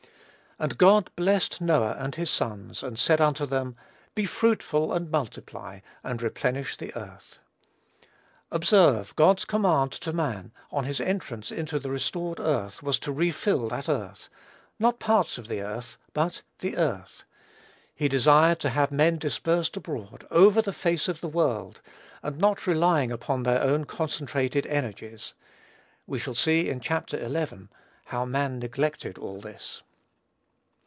"And God blessed Noah and his sons, and said unto them, Be fruitful, and multiply, and replenish the earth." Observe, God's command to man, on his entrance into the restored earth, was to refill that earth; not parts of the earth, but the earth. He desired to have men dispersed abroad, over the face of the world, and not relying upon their own concentrated energies. We shall see, in Chap. xi., how man neglected all this.